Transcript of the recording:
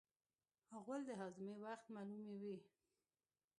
غول د هاضمې وخت معلوموي.